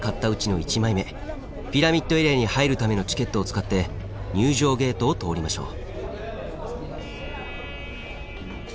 ピラミッドエリアに入るためのチケットを使って入場ゲートを通りましょう。